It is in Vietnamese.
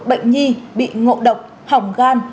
bệnh nhi bị ngộ độc hỏng gan